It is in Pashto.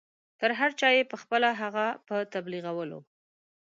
تر هر چا یې پخپله هغه په تبلیغولو.